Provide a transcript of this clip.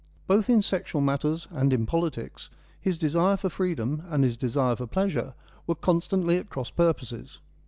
Both in sexual matters and in politics, his desire for freedom and his desire for pleasure were constantly at cross purposes.